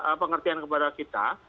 diberikan pengertian kepada kita